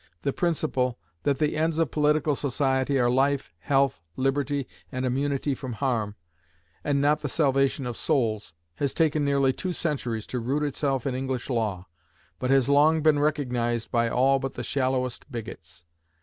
The principle, that the ends of political society are life, health, liberty, and immunity from harm, and not the salvation of souls, has taken nearly two centuries to root itself in English law, but has long been recognized by all but the shallowest bigots.